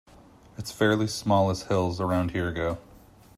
It's fairly small as hills around here go.